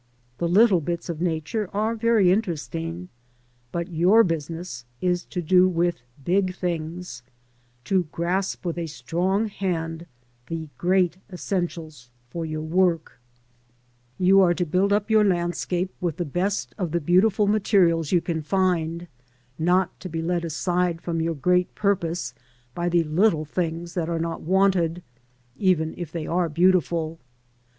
The little bits of Nature are very interesting, but your business is to do with big things, to grasp with a strong hand the great essentials for your work. 4 LANDSCAPE PAINTING IN OIL COLOUR. You are to build up your landscape with the best of the beautiful materials you can find, not to be led aside from your great purpose by the little things that are not wanted, even if they are beautiful.